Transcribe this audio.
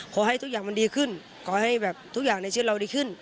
ขอให้ทุกอย่างมันดีขึ้นขอให้แบบทุกอย่างในชีวิตเราดีขึ้น